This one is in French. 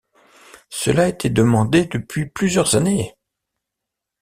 Cela était demandé depuis plusieurs années.